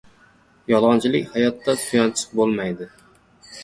Yolg‘onchilik hayotda suyanchiq bo‘lmaydi.